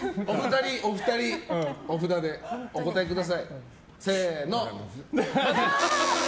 お二人、お札でお答えください。×。